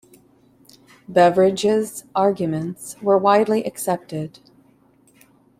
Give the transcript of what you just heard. Beveridge's arguments were widely accepted.